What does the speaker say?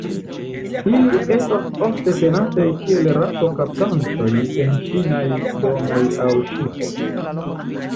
Ili estas ofte tenataj kiel rato-kaptantoj en ĉinaj domoj aŭ ŝipoj.